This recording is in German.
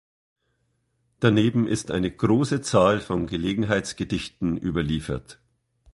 Daneben ist eine große Zahl von Gelegenheitsgedichten überliefert.